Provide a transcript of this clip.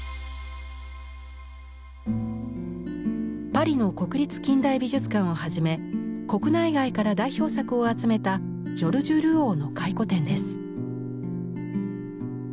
パリの国立近代美術館をはじめ国内外から代表作を集めたジョルジュ・ルオーの回顧展です。